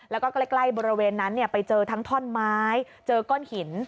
แล้วก็ใกล้บริเวณนั้นไปเจอทั้งท่อนไม้เจอก้อนหิน